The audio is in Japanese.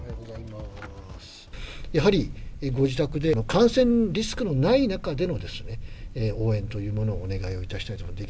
やはりご自宅で、感染リスクのない中での応援というものをお願いをいたしたいと思います。